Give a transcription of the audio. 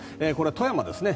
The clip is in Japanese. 富山ですね。